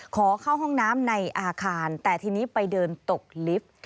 ขอเข้าห้องน้ำในอาคารแต่ทีนี้ไปเดินตกลิฟท์